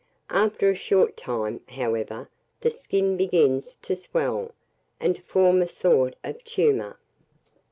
After a short time, however, the skin begins to swell, and to form a sort of tumour.